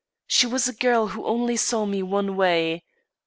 She was a girl who only saw one way.